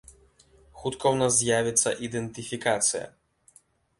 Хутка ў нас з'явіцца ідэнтыфікацыя.